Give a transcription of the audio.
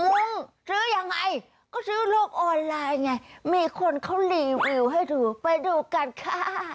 งงซื้อยังไงก็ซื้อโลกออนไลน์ไงมีคนเขารีวิวให้ดูไปดูกันค่ะ